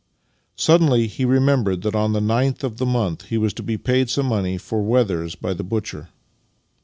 Suddenly he remembered that on the 9th of the month he v/as to be paid some money for wethers by the butcher.